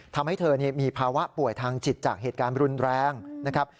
ทำให้เธอมีภาวะป่วยทางจิตจากเหตุการณ์รุนแรงนะครับ